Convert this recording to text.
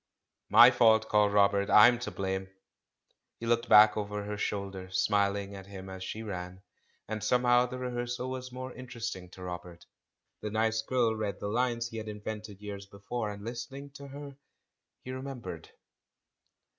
"My fault," called Robert, 'Tm to blame." She looked back over her shoulder, smiling at him as she ran, and somehow the rehearsal was more interesting to Robert. The nice girl read the lines he had invented thirteen years before — and listening to her, he remembered.